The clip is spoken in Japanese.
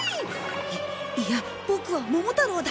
いいやボクは桃太郎だ。